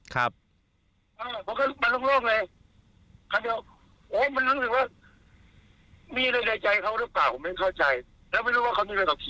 แล้วไม่รู้ว่าเขามีอะไรต่อทีหรือเปล่า